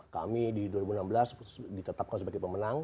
kami di dua ribu enam belas ditetapkan sebagai pemenang